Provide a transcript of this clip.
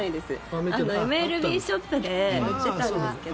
ＭＬＢショップで売ってたんですけど。